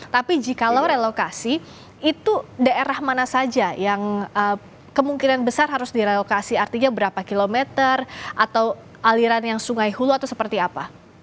tapi jikalau relokasi itu daerah mana saja yang kemungkinan besar harus direlokasi artinya berapa kilometer atau aliran yang sungai hulu atau seperti apa